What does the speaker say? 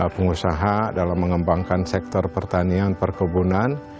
pengusaha dalam mengembangkan sektor pertanian perkebunan